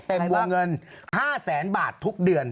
วงเงิน๕แสนบาททุกเดือน